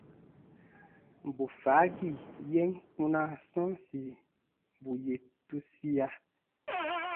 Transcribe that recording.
Bù faagi yen kpunaa sɔ̃ɔsi, bù yè tusia.